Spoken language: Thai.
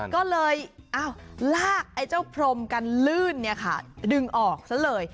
ก็เลยลากไอ้เจ้าพรมกันลื่นดึงออกซะเลย